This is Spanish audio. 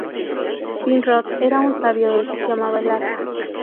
Finrod era un sabio elfo que amaba el arpa.